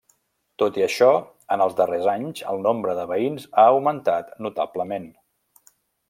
Tot i això, en els darrers anys el nombre de veïns ha augmentat notablement.